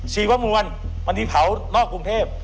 ชีวมวลวันที่เผานอกกรุงเทพ